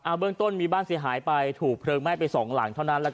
เบื้องต้นมีบ้านเสียหายไปถูกเพลิงไหม้ไปสองหลังเท่านั้น